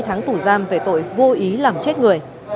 ba mươi tháng tù giam về tội vô ý làm chết người